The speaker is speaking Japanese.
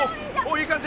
いい感じ？